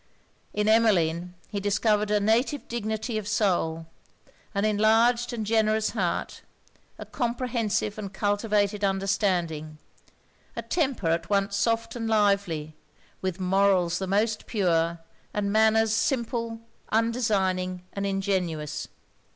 In Emmeline, he discovered a native dignity of soul, an enlarged and generous heart, a comprehensive and cultivated understanding, a temper at once soft and lively, with morals the most pure, and manners simple, undesigning and ingenuous.